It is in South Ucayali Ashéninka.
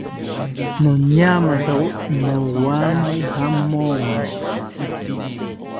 Noñamatawo nowamaye jamomo